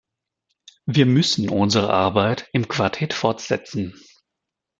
Wir müssen unsere Arbeit im Quartett fortsetzen.